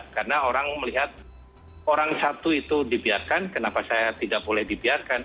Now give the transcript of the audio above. karena orang melihat orang satu itu dibiarkan kenapa saya tidak boleh dibiarkan